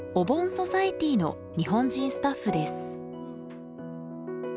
ソサエティの日本人スタッフです